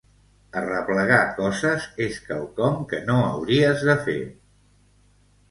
Arreplegar coses és quelcom que no hauries de fer.